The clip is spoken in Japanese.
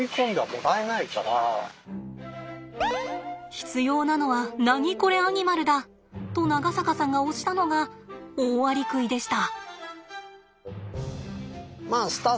必要なのはナニコレアニマルだと長坂さんが推したのがオオアリクイでした。